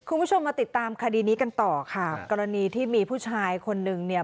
คุณผู้ชมมาติดตามคดีนี้กันต่อค่ะกรณีที่มีผู้ชายคนนึงเนี่ย